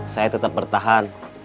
saya tetap bertahan